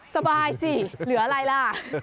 สบายสิเหลืออะไรล่ะ